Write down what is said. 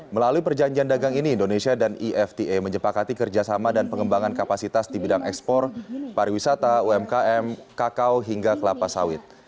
melalui perjanjian dagang ini indonesia dan efta menjepakati kerjasama dan pengembangan kapasitas di bidang ekspor pariwisata umkm kakao hingga kelapa sawit